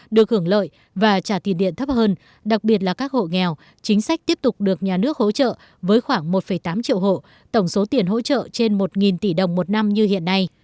được hưởng lợi và trả tiền điện thấp hơn đặc biệt là các hộ nghèo chính sách tiếp tục được nhà nước hỗ trợ với khoảng một tám triệu hộ tổng số tiền hỗ trợ trên một tỷ đồng một năm như hiện nay